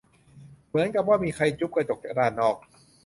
เหมือนกับว่ามีใครจุ๊บกระจกจากด้านนอก